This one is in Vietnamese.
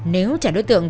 nếu trả đối tượng